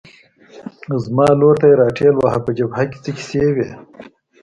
زما لور ته یې را ټېل واهه، په جبهه کې څه کیسې وې؟